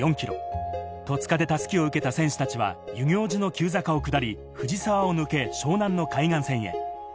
戸塚で襷を受けた選手たちは遊行寺の急坂を下り、藤沢を抜け湘南の海岸線へ。